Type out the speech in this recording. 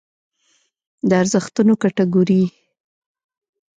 د ارزښتونو کټګورۍ